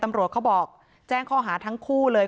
ตำรวจเขาบอกแจ้งข้อหาทั้งคู่เลย